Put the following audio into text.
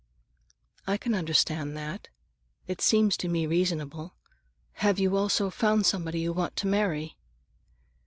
"I can understand that. It seems to me reasonable. Have you also found somebody you want to marry?"